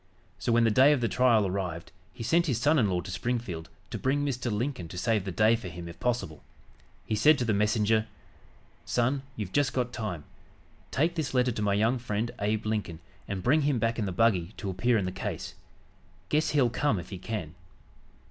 So, when the day of the trial arrived he sent his son in law to Springfield to bring Mr. Lincoln to save the day for him if possible. He said to the messenger: "Son, you've just got time. Take this letter to my young friend, Abe Lincoln, and bring him back in the buggy to appear in the case. Guess he'll come if he can."